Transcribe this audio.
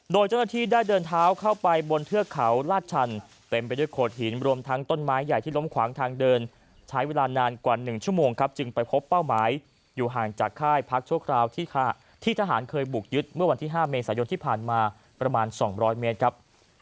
โดยเจ้าหน้าที่ได้เดินเท้าเข้าไปบนเทือกเขาลาดชันเต็มไปด้วยโขดหินรวมทั้งต้นไม้ใหญ่ที่ล้มขวางทางเดินใช้เวลานานกว่า๑ชั่วโมงครับจึงไปพบเป้าหมายอยู่ห่างจากค่ายพักชั่วคราวที่ทหารเคยบุกยึดเมื่อวันที่๕เมษายนที่ผ่านมาประมาณ๒๐๐เมตรครับ